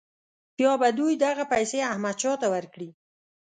بیا به دوی دغه پیسې احمدشاه ته ورکړي.